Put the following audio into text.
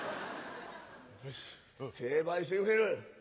よし成敗してくれる。